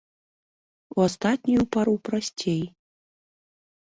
У астатнюю пару прасцей.